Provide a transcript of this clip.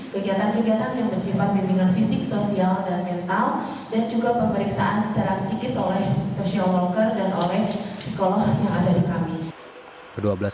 kegiatan kegiatan yang bersifat bimbingan fisik sosial dan mental dan juga pemeriksaan secara psikis oleh social wolker dan oleh psikolog yang ada di kami